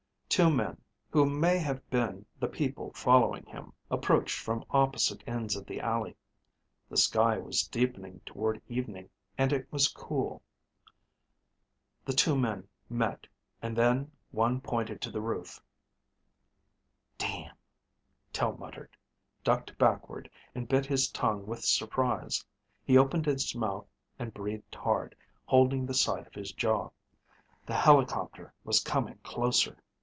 Two men, who may have been the people following him, approached from opposite ends of the alley. The sky was deepening toward evening and it was cool. The two men met, and then one pointed to the roof. "Damn," Tel muttered, ducked backward, and bit his tongue with surprise. He opened his mouth and breathed hard, holding the side of his jaw. The helicopter was coming closer.